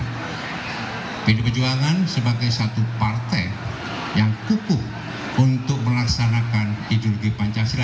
dpd pejuangan sebagai satu partai yang kukuh untuk melaksanakan ideologi pancasila